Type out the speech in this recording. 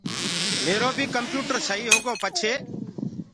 ميرو بي ڪمپِيوٽر سئيٚ هوگو پڇي